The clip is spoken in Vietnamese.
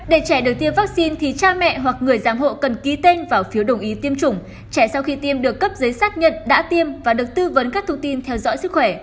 để trẻ được tiêm vaccine thì cha mẹ hoặc người giám hộ cần ký tên vào phiếu đồng ý tiêm chủng trẻ sau khi tiêm được cấp giấy xác nhận đã tiêm và được tư vấn các thông tin theo dõi sức khỏe